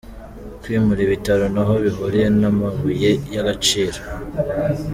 Kwimura ibitaro ntaho bihuriye n’amabuye y’agaciro ….